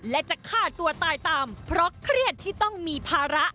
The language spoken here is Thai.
และจะฆ่าตัวตายตามเพราะเครียดที่ต้องมีภาระ